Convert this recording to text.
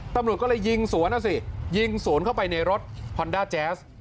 ตำรวจก็เลยยิงสวนอ่ะสิยิงสวนเข้าไปในรถฮอนด้าแจ๊ส